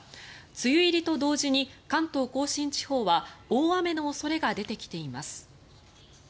梅雨入りと同時に関東・甲信地方は大雨の恐れが出てきています。